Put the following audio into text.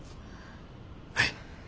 はい。